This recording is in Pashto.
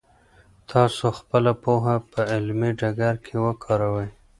تاسو خپله پوهه په عملي ډګر کې وکاروئ.